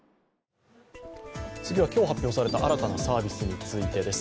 次は今日発表された新たなサービスについてです。